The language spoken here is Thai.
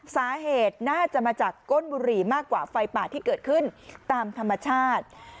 สาเหตุน่าจะมาจากก้นบุหรี่มากกว่าไฟป่าที่เกิดขึ้นตามธรรมชาติ